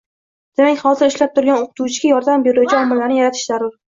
demak, hozir ishlab turgan o‘qituvchiga yordam beruvchi omillarni yaratish zarur.